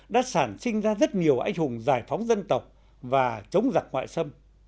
đã sản sinh ra rất nhiều anh hùng giải phóng dân tộc và chống giặc ngoại xâm